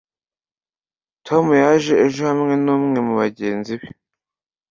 tom yaje ejo hamwe numwe mubagenzi be